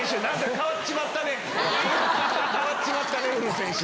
変わっちまったねウルフ選手。